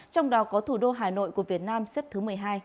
trong đó có thủ đô hà nội của việt nam xếp thứ một mươi hai